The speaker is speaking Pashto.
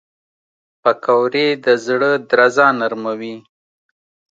پکورې د زړه درزا نرموي